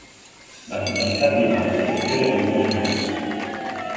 La tonalità di base è quella di do minore.